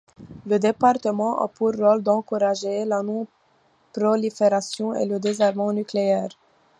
Le Département a pour rôle d'encourager la non-prolifération et le désarmement nucléaire.